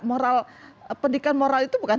moral pendidikan moral itu bukan